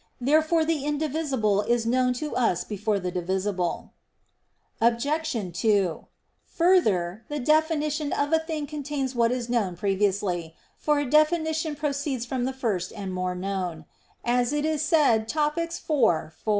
Therefore the indivisible is known to us before the divisible. Obj. 2: Further, the definition of a thing contains what is known previously, for a definition "proceeds from the first and more known," as is said Topic. vi, 4.